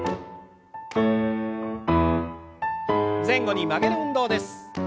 前後に曲げる運動です。